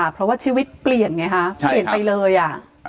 เพราะว่าชีวิตเปลี่ยนไงฮะเปลี่ยนไปเลยอ่ะ